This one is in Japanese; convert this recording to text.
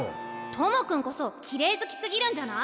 友くんこそきれい好きすぎるんじゃない？